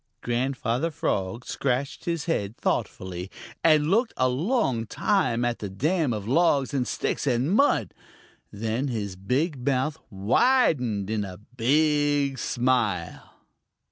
Grandfather Frog scratched his head thoughtfully and looked a long time at the dam of logs and sticks and mud. Then his big mouth widened in a big smile.